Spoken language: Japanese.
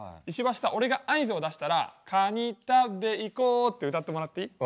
俺が合図を出したら「カニ食べ行こう」って歌ってもらっていい？